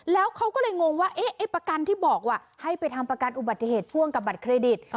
แล้วเขาก็เลยงงว่าไอ้ประกันที่บอกว่าให้ไปทำประกันอุบัติเหตุพ่วงกับบัตรเครดิต